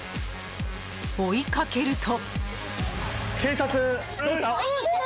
追いかけると。